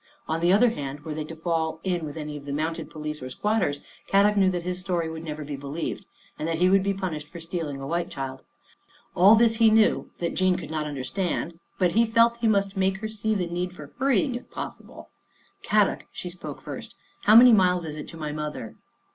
On the other hand, were they to fall in with any of the mounted police 84 Our Little Australian Cousin or squatters, Kadok knew that his story would never be believed, and that he would be pun ished for stealing a white child. All this he knew, that Jean could not understand, but he felt that he must make her see the need for hur rying if possible. " Kadok," she spoke first. " How many miles is it to my mother?